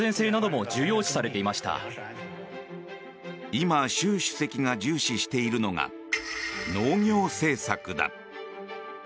今、習主席が重視しているのが農業政策だ。